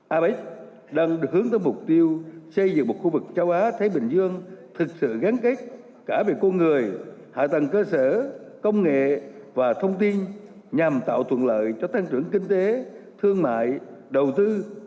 apec đang được hướng tới mục tiêu xây dựng một khu vực châu á thái bình dương thực sự gắn kết cả về con người hạ tầng cơ sở công nghệ và thông tin nhằm tạo thuận lợi cho tăng trưởng kinh tế thương mại đầu tư